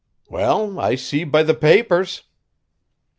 "Well, I see be the papers."